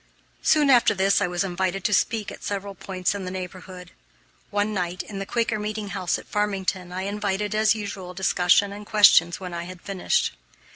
Soon after this I was invited to speak at several points in the neighborhood. One night, in the Quaker Meeting House at Farmington, I invited, as usual, discussion and questions when I had finished.